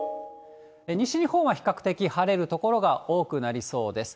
西日本は比較的、晴れる所が多くなりそうです。